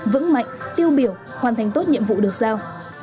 vững mạnh tiêu biểu hoàn thành tốt nhiệm vụ được giao